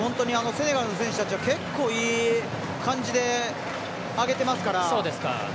セネガルの選手たちは結構、いい感じで上げてますから。